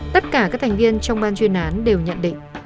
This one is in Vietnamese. tất cả các thành viên trong ban chuyên án đều nhận định